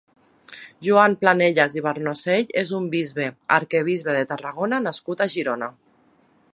Joan Planellas i Barnosell és un bisbe, arquebisbe de Tarragona nascut a Girona.